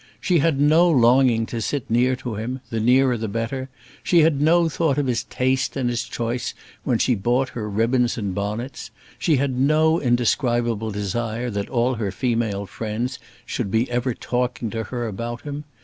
She had no longing to sit near to him the nearer the better; she had no thought of his taste and his choice when she bought her ribbons and bonnets; she had no indescribable desire that all her female friends should be ever talking to her about him.